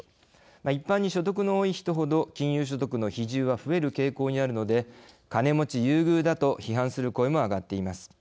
一般に所得の多い人ほど金融所得の比重は増える傾向にあるので金持ち優遇だと批判する声も上がっています。